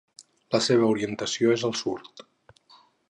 La seva orientació és al Sud.